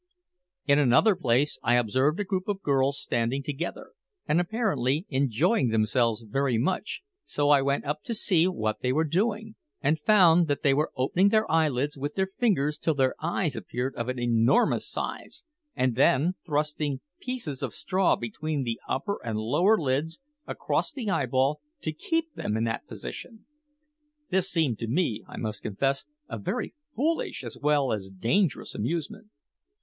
In another place I observed a group of girls standing together, and apparently enjoying themselves very much; so I went up to see what they were doing, and found that they were opening their eyelids with their fingers till their eyes appeared of an enormous size, and then thrusting pieces of straw between the upper and lower lids, across the eyeball, to keep them in that position! This seemed to me, I must confess, a very foolish as well as dangerous amusement.